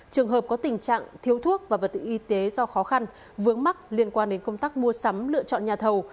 trường hợp có tình trạng thiếu thuốc và vật tự y tế do khó khăn vướng mắc liên quan đến công tác mua sắm lựa chọn nhà thầu